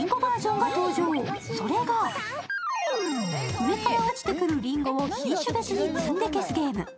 上から落ちてくるりんごを品種別に積んで消すゲーム。